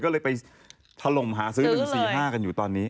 ก็เลยไปถล่มหาซื้อ๑๔๕กันอยู่ตอนนี้